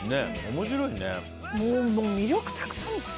面白いね。